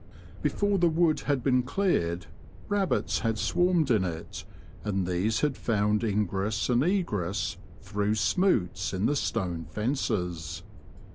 Before the wood had been cleared rabbits had swarmed in it, and these had found ingress and egress through '' smoots " in the stone fences.